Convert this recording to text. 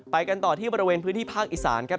กันต่อที่บริเวณพื้นที่ภาคอีสานครับ